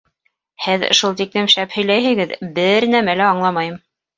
Һеҙ шул тиклем шәп һөйләйһегеҙ, бер нәмә лә аңламайым.